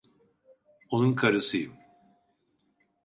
Onun karısıyım.